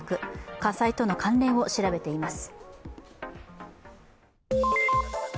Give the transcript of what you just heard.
火災との関連を調べています。